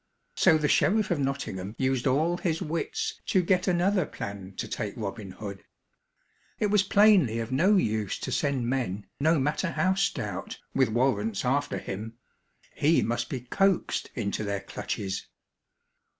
So the sheriff of Nottingham used all his wits to get another plan to take Robin Hood. It was plainly of no use to send men, no matter how stout, with warrants after him. He must be coaxed into their clutches.